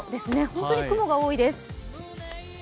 本当に雲が多いです。